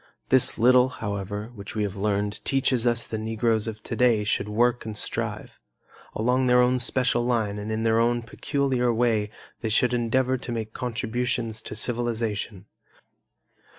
This little, however, which we have learned teaches us that the Negroes of today should work and strive. Along their own special line and in their own peculiar way they should endeavor to make contributions to civilization.